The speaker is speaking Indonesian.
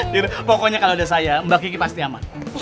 tidak pokoknya kalo udah saya mbak kiki pasti aman